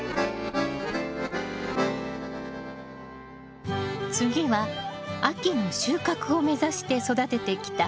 次は秋の収穫を目指して育ててきた野菜よ。